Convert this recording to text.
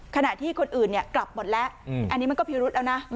ขณะที่คนอื่นกลับหมดแล้วอันนี้มันก็พิรุธแล้วนะ